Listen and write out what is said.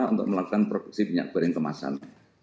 untuk melakukan produksi minyak goreng kemasan